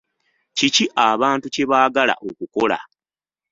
Kiki abantu kye baagala okukola?